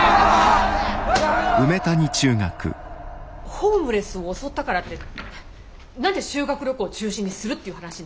ホームレスを襲ったからって何で修学旅行中止にするっていう話になるのよ。